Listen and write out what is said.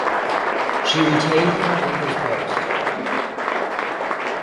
She retained him in his post.